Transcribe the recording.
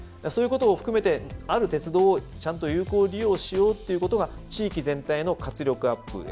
そういうことを含めてある鉄道をちゃんと有効利用しようということが地域全体の活力アップ